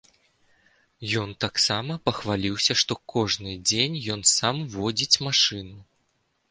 Ён таксама пахваліўся, што кожны дзень ён сам водзіць машыну.